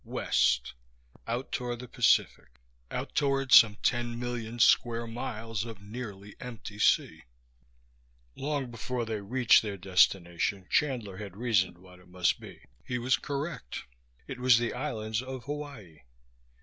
West. Out toward the Pacific. Out toward some ten million square miles of nearly empty sea. Long before they reached their destination Chandler had reasoned what it must be. He was correct: it was the islands of Hawaii.